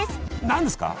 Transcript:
何ですか？